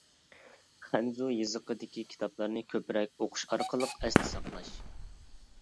خەنزۇ يېزىقىدىكى كىتابلارنى كۆپرەك ئوقۇش ئارقىلىق ئەستە ساقلاش.